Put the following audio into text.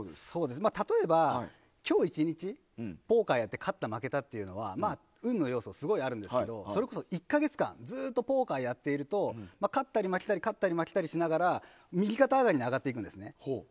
例えば、今日一日ポーカーやって勝った負けたというのは運の良さ、すごいあるんですけどそれこそ１か月間ずっとポーカーやってると勝ったり負けたりしながら右肩上がりに上がっていくんですね。